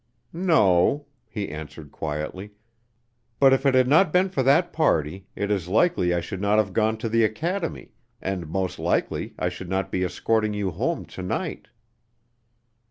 "No," he answered quietly; "but if it had not been for that party, it is likely I should not have gone to the academy, and most likely I should not be escorting you home to night."